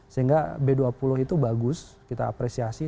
sehingga b dua puluh itu bagus kita apresiasi